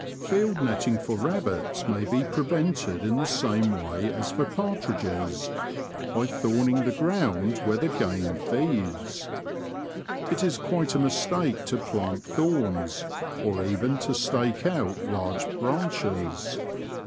Field netting for rabbits may be prevented in the same way as for partridges — by thorning the ground where the game feeds. It is quite a mistake to plant thorns, or even to stake out large branches.